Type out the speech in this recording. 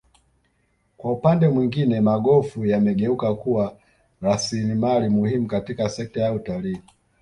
kwa upande mwingine magofu yamegeuka kuwa rasilimali muhimu katika sekta ya utalii